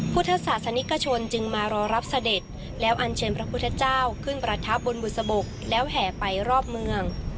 พุทธศาสนิกชนจึงมารอรับเสด็จแล้วอันเชิญพระพุทธเจ้าขึ้นประทับบนบุษบกแล้วแห่ไปรอบเมือง